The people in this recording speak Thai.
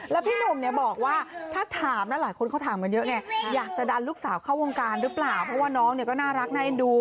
แล้วพี่หนุ่มเนี่ยบอกว่าถ้าถามแล้วหลายคนเขาถามกันเยอะไงอยากจะดันลูกสาวเข้าวงการหรือเปล่าเพราะว่าน้องเนี่ยก็น่ารักน่าเอ็นดู